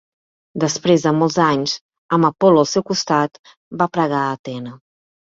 Després de molts anys, amb Apol·lo al seu costat, va pregar a Atena.